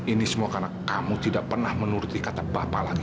ini semua karena kamu tidak pernah menuruti kata bapak lagi